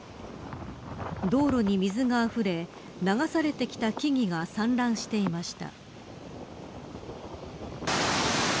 道路に水があふれ流されてきた木々が散乱していました。